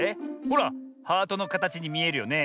ほらハートのかたちにみえるよね。